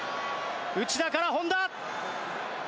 内田から本田。